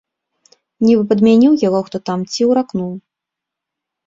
Нібы падмяніў яго хто там ці ўракнуў.